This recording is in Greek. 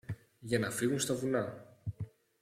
για να φύγουν στα βουνά